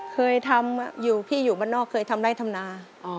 เคยทำพี่อยู่บ้านนอกเคยทำได้ธรรมนา